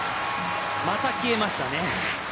また消えましたね。